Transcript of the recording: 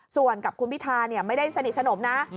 ส่วนกับคุณพิธาไม่ได้สนิทสนมนะ